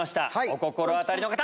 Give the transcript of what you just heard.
お心当たりの方！